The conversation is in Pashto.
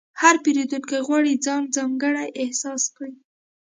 هر پیرودونکی غواړي ځان ځانګړی احساس کړي.